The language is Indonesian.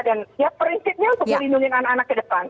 ya prinsipnya untuk melindungi anak anak ke depan